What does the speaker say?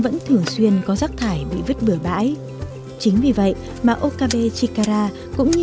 vẫn thường xuyên chẳng có rác thải bị vứt bửa bãi